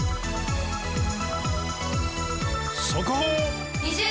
速報。